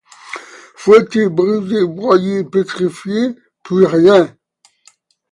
Fouettés, brisés, broyés, pétrifiés, puis rien !